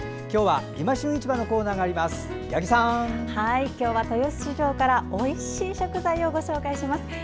今日は豊洲市場からおいしい食材をご紹介します。